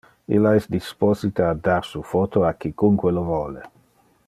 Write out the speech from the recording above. Illa es disposite a dar su photo a quicunque lo vole.